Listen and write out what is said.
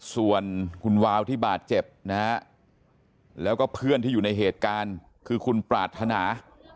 ส่วนคุณวาวที่บาดเจ็บนะฮะแล้วก็เพื่อนที่อยู่ในเหตุการณ์คือคุณปรารถนา